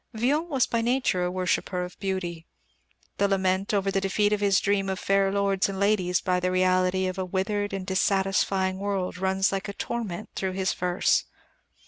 Villon was by nature a worshipper of beauty. The lament over the defeat of his dream of fair lords and ladies by the reality of a withered and dissatisfying world runs like a torment through his verse.